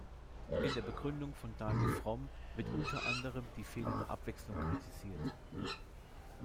In der Begründung von Dani Fromm wird unter anderem die fehlende Abwechslung kritisiert.